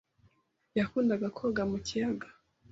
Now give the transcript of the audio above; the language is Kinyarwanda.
yakundaga koga mu kiyaga.